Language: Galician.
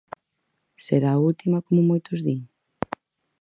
Será a última como moitos din?